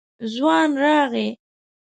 ځوان راغی.